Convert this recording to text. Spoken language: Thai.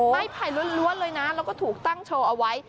ไผ่ล้วนเลยนะแล้วก็ถูกตั้งโชว์เอาไว้